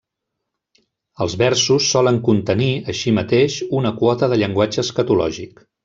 Els versos solen contenir, així mateix, una quota de llenguatge escatològic.